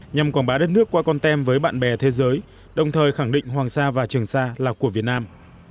nhằm quảng bá đất nước qua con tem với bạn bè thế giới đồng thời khẳng định hoàng sa và trường sa là của việt nam